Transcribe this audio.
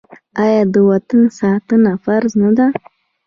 آیا د وطن ساتنه فرض نه ده؟